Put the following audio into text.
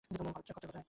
খচ্চর ব্যাটা একটা।